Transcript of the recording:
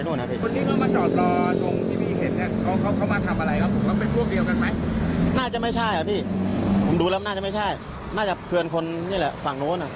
น่าจะไม่ใช่อ่ะพี่ผมดูแล้วน่าจะไม่ใช่น่าจะเผื่อคนนี่แหละฝั่งโน้นอ่ะ